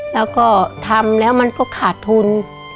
แล้วก็ทำแล้วมันก็ขาดทุน